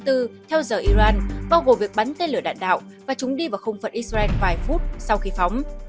theo giờ iran bao gồm việc bắn tên lửa đạn đạo và chúng đi vào không phận israel vài phút sau khi phóng